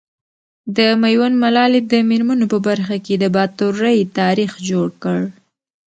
د ميوند ملالي د مېرمنو په برخه کي د باتورئ تاريخ جوړ کړ .